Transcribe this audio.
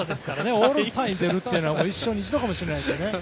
オールスターに出るというのは一生に一度かもしれないという。